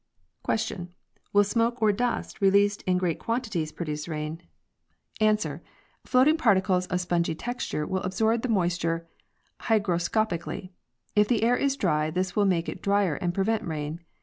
Q.. Will smoke or dust released in great quantities produce The Author's Conclusions. 59 rain? A. Floating particles of spongy texture will absorb the moisture hygroscopically. If the air is dry this will make it drier and prevent rain.